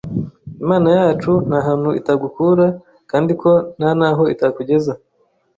Imana yacu ntahantu itagukura kandi ko ntanaho itakugeza.